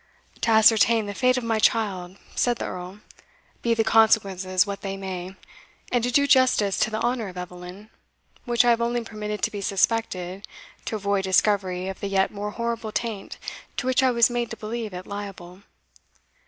"To ascertain the fate of my child," said the Earl, "be the consequences what they may, and to do justice to the honour of Eveline, which I have only permitted to be suspected to avoid discovery of the yet more horrible taint to which I was made to believe it liable."